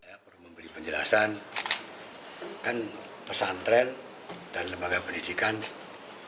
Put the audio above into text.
saya perlu memberi penjelasan kan pesantren dan lembaga pendidikan